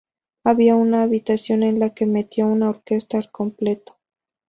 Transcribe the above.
Había una habitación en la que metió una orquesta al completo.